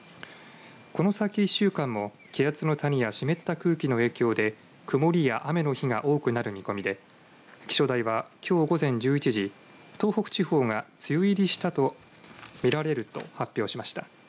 この先１週間も気圧の谷や湿った空気の影響で曇りや雨の日が多くなる見込みで気象台は、きょう午前１１時東北地方が梅雨入りしたとみられると発表しました。